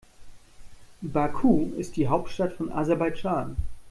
Baku ist die Hauptstadt von Aserbaidschan.